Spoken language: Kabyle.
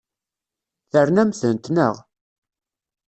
Ternamt-tent, naɣ?